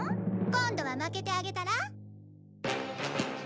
今度は負けてあげたら？